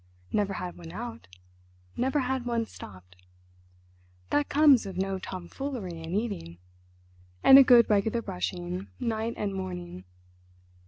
Never had one out, never had one stopped. That comes of no tomfoolery in eating, and a good regular brushing night and morning.